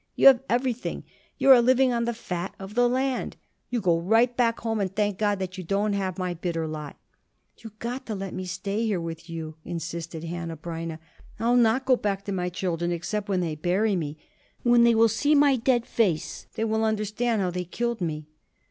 You have everything. You are living on the fat of the land. You go right back home and thank God that you don't have my bitter lot." "You got to let me stay here with you," insisted Hanneh Breineh. "I'll not go back to my children except when they bury me. When they will see my dead face, they will understand how they killed me."